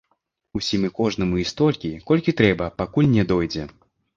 Усім і кожнаму і столькі, колькі трэба, пакуль не дойдзе!